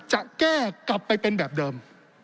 จะแก้กลับไปเป็นแบบเดิม